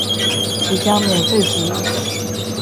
即使免费服务